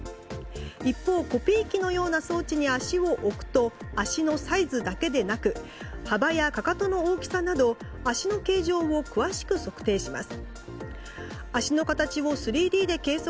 一方、コピー機のような装置に足を置くと足のサイズだけでなく幅やかかとの大きさなど量り売りを食品にも拡大します。